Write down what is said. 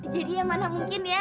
jadi yang mana mungkin ya